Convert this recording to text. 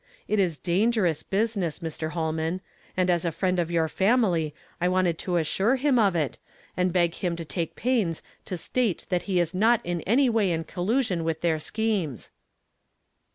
It is dangerous business, Mr. Holman; and as a friend of your family I wanted to assure him of it, and beg him to take pains to state that he is not in any way in collusion with their schemes."